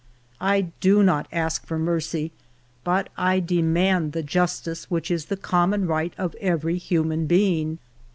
" I do not ask for mercy, but I demand the jus tice which is the common right of every human being.